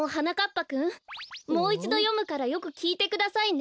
ぱくんもういちどよむからよくきいてくださいね。